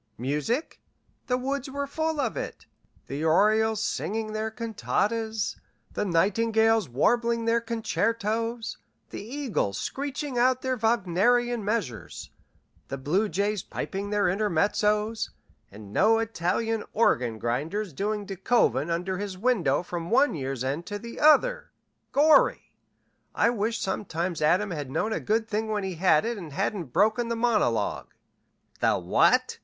Music? The woods were full of it the orioles singing their cantatas, the nightingales warbling their concertos, the eagles screeching out their Wagnerian measures, the bluejays piping their intermezzos, and no Italian organ grinders doing De Koven under his window from one year's end to the other. Gorry! I wish sometimes Adam had known a good thing when he had it and hadn't broken the monologue." "The what?"